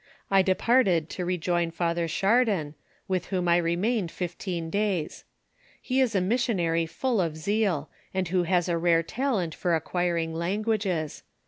I departed to rejoin Father Chardon, with whom I rencaiaed fifteen days. He is a missionary full of seal, and who has a rare talent for aoqi.iring languages.